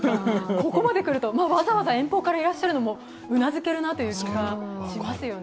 ここまで来ると、わざわざ遠方からいらっしゃるのもうなずけるなという感じがしますね。